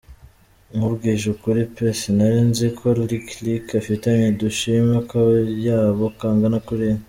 Nkubwije ukuri pe, sinari nzi ko Lick Lick afitiye Dashim akayabo kangana kuriya.